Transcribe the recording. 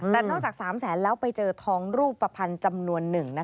แต่นอกจาก๓แสนแล้วไปเจอทองรูปภัณฑ์จำนวนหนึ่ง